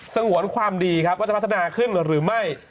งวนความดีครับว่าจะพัฒนาขึ้นหรือไม่